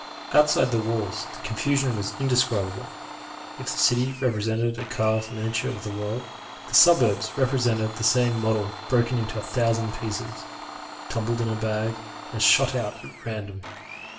Outside the walls the confusion was indescribable. If the city represented a carved miniature of the world, the suburbs represented the same model broken into a thousand pieces, tumbled in a bag and shot out at random.